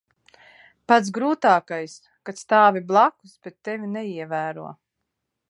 Pats grūtākais - kad stāvi blakus, bet tevi neievēro.